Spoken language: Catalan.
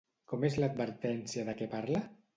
Com és l'advertència de què parla?